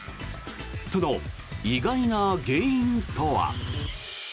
その意外な原因とは。